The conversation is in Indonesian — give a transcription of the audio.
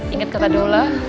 inget kata dulu lah